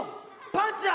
パンチだ！